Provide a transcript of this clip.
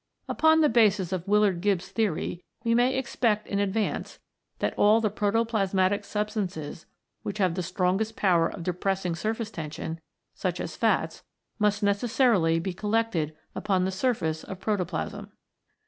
Upon the basis of Willard Gibbs' theory we may expect in advance that all the protoplasmatic substances which have the strongest power of depressing surface tension, such as fats, must necessarily be collected upon the surface of protoplasm.